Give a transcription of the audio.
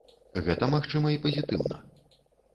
Гэта магчыма і пазітыўна.